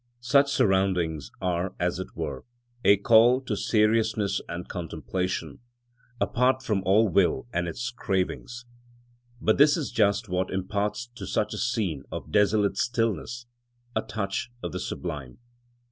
Such surroundings are, as it were, a call to seriousness and contemplation, apart from all will and its cravings; but this is just what imparts to such a scene of desolate stillness a touch of the sublime.